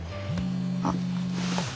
あっ。